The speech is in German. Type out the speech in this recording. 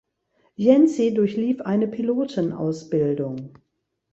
Yancy durchlief eine Pilotenausbildung.